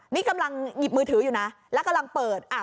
นี่กำลังหยิบมือถืออยู่นะแล้วกำลังเปิด